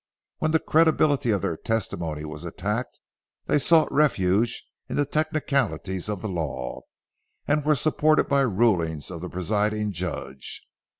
When the credibility of their testimony was attacked, they sought refuge in the technicalities of the law, and were supported by rulings of the presiding judge.